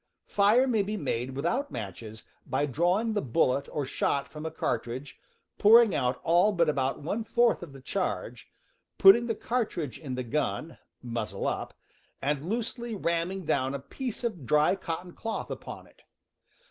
Fire may be made without matches by drawing the bullet or shot from a cartridge, pouring out all but ^,. p. about one fourth of the charge, putting ., the cartridge in the gun (muzzle up), „ and loosely ramming down a piece of dry cotton cloth upon it.